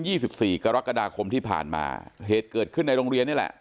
สิบสี่กรกฎาคมที่ผ่านมาเหตุเกิดขึ้นในโรงเรียนนี่แหละ